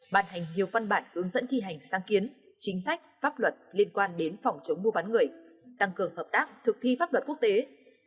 bàn hành nhiều phân bản ướng dẫn thi hành sang kiến chính sách pháp luật liên quan đến phòng chống mua bán người tăng cường hợp tác thực thi pháp luật quốc tế các cơ quan